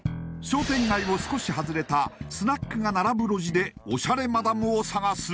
商店街を少し外れたスナックが並ぶ路地でオシャレマダムを探す